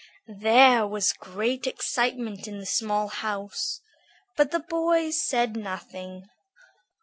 There was great excitement in the small house, but the boys said nothing.